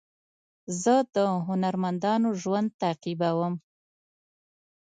زه د هنرمندانو ژوند تعقیبوم.